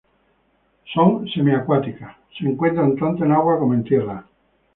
Son semi-acuáticas, se encuentran tanto en agua como en tierra.